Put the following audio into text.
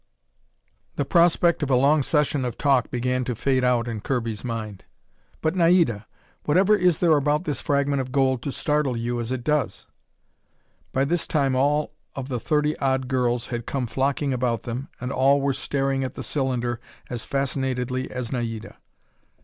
The prospect of a long session of talk began to fade out in Kirby's mind. "But Naida, whatever is there about this fragment of gold to startle you as it does?" By this time all of the thirty odd other girls had come flocking about them, and all were staring at the cylinder as fascinatedly as Naida.